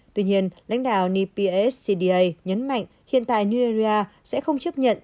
tuy nhiên lãnh đạo npscda nhấn mạnh hiện tại nigeria sẽ không chấp nhận